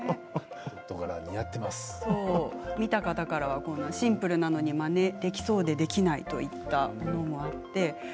見た方からは、シンプルなのにまねできそうでできないといったのもあって。